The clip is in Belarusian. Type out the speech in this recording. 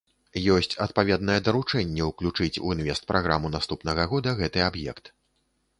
Ёсць адпаведнае даручэнне ўключыць у інвестпраграму наступнага года гэты аб'ект.